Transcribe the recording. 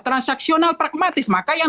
transaksional pragmatis maka yang